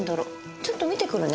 ちょっと見てくるね。